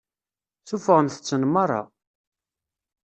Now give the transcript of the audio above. Suffɣemt-ten meṛṛa.